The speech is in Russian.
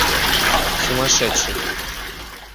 Сумасшедший.